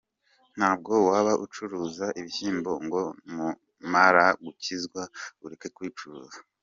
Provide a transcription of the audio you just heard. Ntabwo waba ucuruza ibishyimbo ngo numara gukizwa ureke kubicuruza.